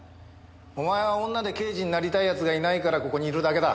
お前は女で刑事になりたい奴がいないからここにいるだけだ。